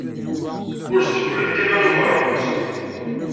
Ur s-d-tegri lqima i ubernus.